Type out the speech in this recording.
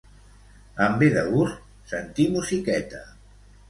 Em ve de gust sentir musiqueta.